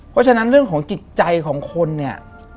เพราะฉะนั้นเรื่องของจิตใจของคนเนี่ย